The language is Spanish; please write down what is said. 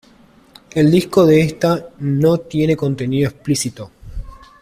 El disco de esta no tiene contenido explícito.